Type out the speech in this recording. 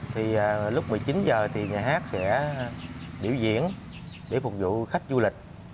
thì lúc một mươi chín h thì nhà hát sẽ biểu diễn để phục vụ khách du lịch